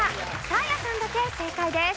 サーヤさんだけ正解です。